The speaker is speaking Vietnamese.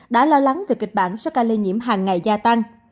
đã lo lắng về kịch bản số ca lây nhiễm hàng ngày gia tăng